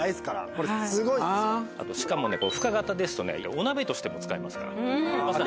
しかも深型ですとお鍋としても使えますから。